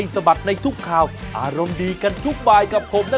สวัสดีครับ